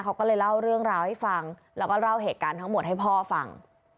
เขาก็เลยเล่าเรื่องราวให้ฟังแล้วก็เล่าเหตุการณ์ทั้งหมดให้พ่อฟัง